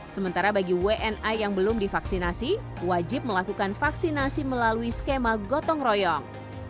sementara bagi wna yang belum divaksinasi wajib melakukan vaksinasi melalui skema gotong royong